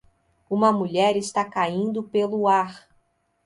Uma mulher está caindo pelo ar.